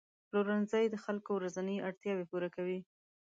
پلورنځي د خلکو ورځني اړتیاوې پوره کوي.